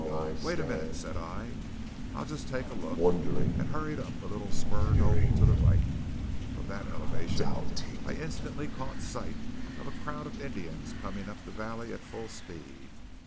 "Wait a minute," said I. "I'll just take a look," and hurried up a little spur knoll to the right. From that elevation I instantly caught sight of a crowd of Indians coming up the valley at full speed.